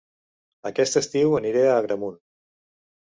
Aquest estiu aniré a Agramunt